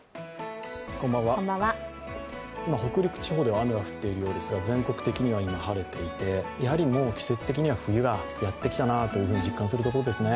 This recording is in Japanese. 今、北陸地方では雨が降っているようですが全国的には今、晴れていてやはりもう季節的には冬がやってきたなと実感するところですね。